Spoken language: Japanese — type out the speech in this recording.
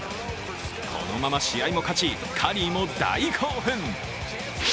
このまま試合も勝ち、カリーも大興奮。